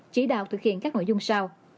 chỉ đạo thực hiện các nội dung sau